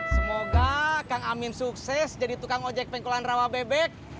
semoga kang amin sukses jadi tukang ojek pengkulan rawa bebek